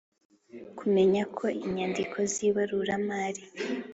Kumenya ko inyandiko z ibaruramari